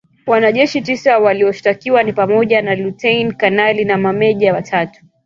Wanajeshi tisa walioshtakiwa ni pamoja na lutein kanali na mameja watatu.